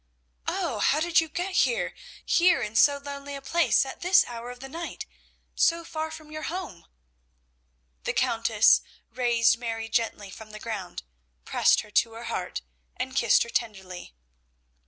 Oh, how did you get here here in so lonely a place at this hour of the night, so far from your home?" The Countess raised Mary gently from the ground, pressed her to her heart, and kissed her tenderly.